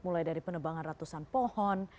mulai dari penebangan ratusan pohon